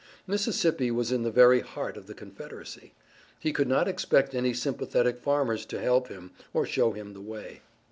Mississippi was in the very heart of the Confederacy. He could not expect any sympathetic farmers to help him or show him the way.